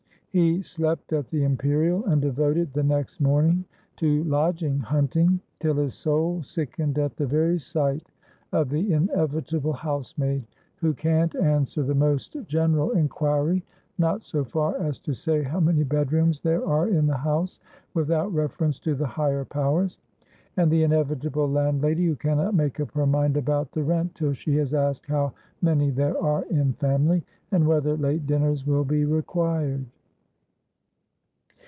He slept at The Imperial, and devoted the next morning to lodging hunting ; till his soul sickened at the very sight of the inevitable housemaid, who can't answer the most general inquiry — not so far as to say how many bedrooms there are in the house, without reference to the higher powers — and the inevitable landlady, who cannot make up her mind about the rent till she has asked how many there are in family, and whether late dinners will be required.